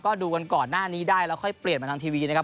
ก็ดูกันก่อนหน้านี้ได้แล้วค่อยเปลี่ยนมาทางทีวีนะครับ